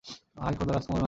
হায় খোদা, রাজকুমার নাভিন!